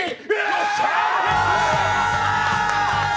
よっしゃー！